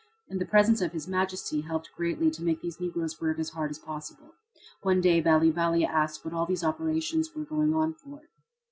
And the presence of His Majesty helped greatly to make these Negroes work as hard as possible. One day Bali Bali asked what all these operations were going on for.